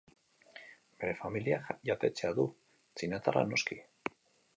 Bere familiak jatetxea du, txinatarra noski.